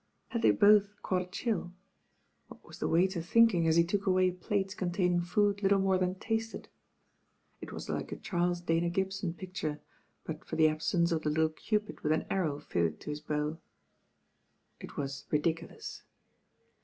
Had they both caught a chill? What wus the waiter think ing as he took away plates containing food little more than tasted? It was like a Charles Dana Gibson picture, but for the absence of the little cupid with an arrow fitted to his bow. ' It was ridiculous.